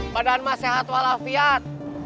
badan ma sehat walafiat